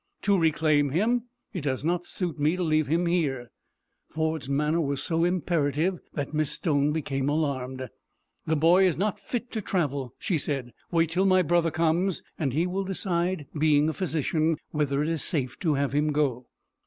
"To reclaim him. It does not suit me to leave him here." Ford's manner was so imperative that Miss Stone became alarmed. "The boy is not fit to travel," she said. "Wait till my brother comes, and he will decide, being a physician, whether it is safe to have him go."